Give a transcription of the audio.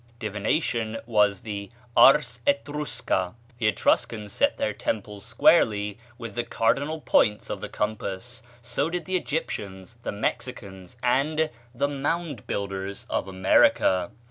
Divination was the ars Etrusca. The Etruscans set their temples squarely with the cardinal points of the compass; so did the Egyptians, the Mexicans, and the Mound Builders of America.